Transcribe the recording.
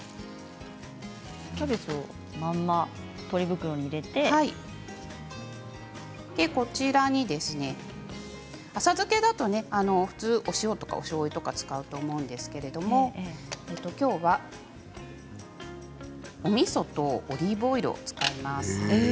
キャベツをまんま浅漬けだと普通お塩とかおしょうゆを使うと思うんですけれどきょうは、おみそとオリーブオイルを使います。